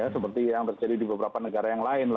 seperti yang terjadi di beberapa negara yang lain